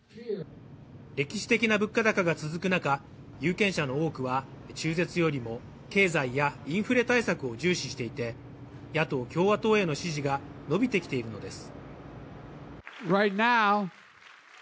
歴史的な物価高が続く中有権者の多くは、中絶よりも経済やインフレ対策を重視していて野党・共和党への支持が伸びてきているのです。